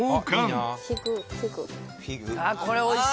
玉森：これ、おいしい！